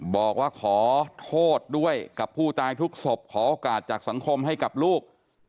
บอกว่าขอโทษด้วยกับผู้ตายทุกศพขอโอกาสจากสังคมให้กับลูก